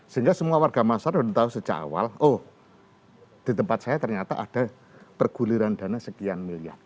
sehingga semua warga masyarakat sudah tahu sejak awal oh di tempat saya ternyata ada perguliran dana sekian miliar